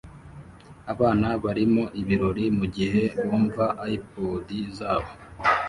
Abana barimo ibirori mugihe bumva iPod zabo